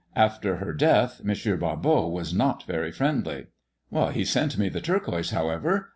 After her death M. Barbot was not very friendly." " He sent me the tiu quoise, however.